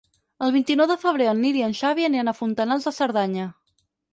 El vint-i-nou de febrer en Nil i en Xavi aniran a Fontanals de Cerdanya.